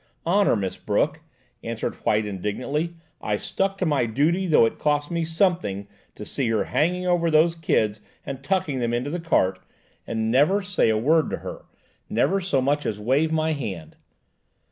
"Honour, Miss Brooke!" answered White indignantly. "I stuck to my duty, though it cost me something to see her hanging over those kids and tucking them into the cart, and never say a word to her, never so much as wave my hand."